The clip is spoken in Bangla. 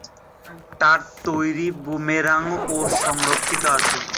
তাঁর তৈরি কিছু বুমেরাংও সংরক্ষিত আছে।